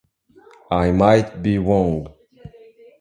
I might be wrong.